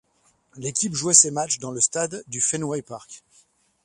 L'équipe jouait ses matchs dans le stade du Fenway Park.